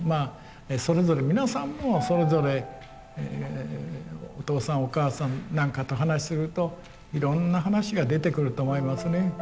それぞれ皆さんもそれぞれお父さんお母さんなんかと話しするといろんな話が出てくると思いますね。